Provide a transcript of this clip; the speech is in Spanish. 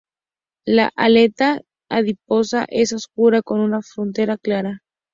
La aleta adiposa es oscura, con una frontera clara.